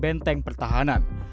belanda menanggung benteng pertahanan